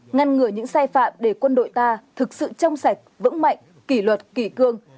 ngăn ngừa những sai phạm để quân đội ta thực sự trong sạch vững mạnh kỷ luật kỷ cương